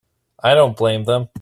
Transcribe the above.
I don't blame them.